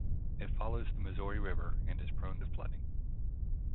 It follows the Missouri River, and is prone to flooding.